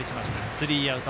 スリーアウト。